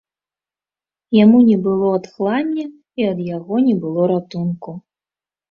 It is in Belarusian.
Яму не было адхлання, і ад яго не было ратунку.